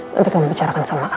nanti kamu bicarakan sama al